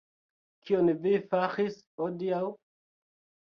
Kion vi faris hodiaŭ?